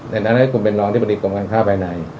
ในนั้นให้คุณเป็นรองอธิบดีกรมการค้าภายใน